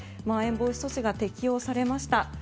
まん延防止措置が適用されました。